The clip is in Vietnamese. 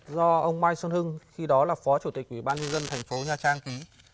do ông mai xuân hưng khi đó là phó chủ tịch ủy ban nhân dân thành phố nha trang ký